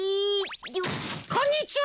こんにちは！